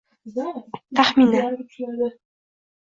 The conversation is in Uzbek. Taxminan